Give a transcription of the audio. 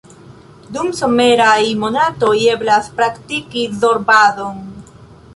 Dum someraj monatoj eblas praktiki zorbadon.